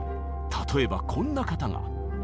例えばこんな方が。